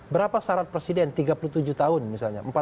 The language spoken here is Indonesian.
berapa syarat presiden tiga puluh tujuh tahun misalnya